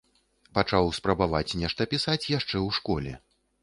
Пачаў спрабаваць нешта пісаць яшчэ ў школе.